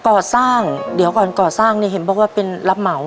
ก่อสร้างเดี๋ยวก่อนก่อสร้างเนี่ยเห็นบอกว่าเป็นรับเหมา